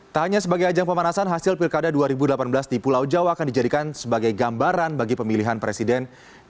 tak hanya sebagai ajang pemanasan hasil pilkada dua ribu delapan belas di pulau jawa akan dijadikan sebagai gambaran bagi pemilihan presiden dua ribu sembilan belas